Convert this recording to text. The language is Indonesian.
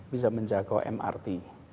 bisa menjaga mrt